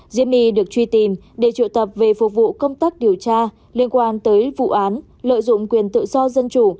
diêm my được truy tìm để triệu tập về phục vụ công tác điều tra liên quan tới vụ án lợi dụng quyền tự do dân chủ